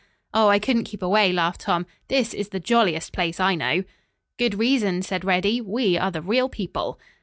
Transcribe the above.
"Oh, I couldn't keep away," laughed Tom. "This is the jolliest place I know." "Good reason," said Reddy, "we are the real people."